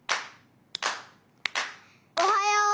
おはよう。